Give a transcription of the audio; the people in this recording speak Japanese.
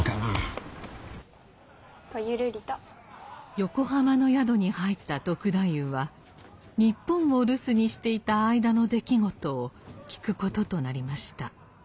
横浜の宿に入った篤太夫は日本を留守にしていた間の出来事を聞くこととなりました。